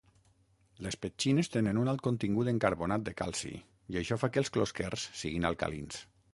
Les petxines tenen un alt contingut en carbonat de calci, i això fa que els closquers siguin alcalins.